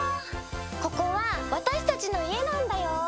ここはわたしたちのいえなんだよ。